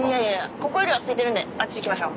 ここよりはすいてるんであっち行きましょう。